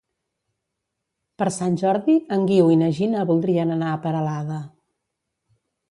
Per Sant Jordi en Guiu i na Gina voldrien anar a Peralada.